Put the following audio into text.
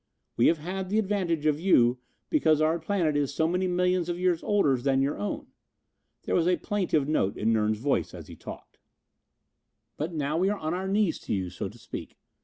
We have had the advantage of you because our planet is so many millions of years older than your own." There was a plaintive note in Nern's voice as he talked. "But now we are on our knees to you, so to speak.